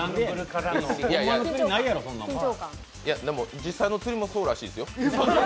実際の釣りもそうらしいですよ。